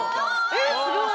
えすごい！